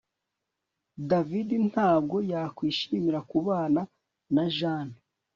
David ntabwo yakwishimira kubana na Jane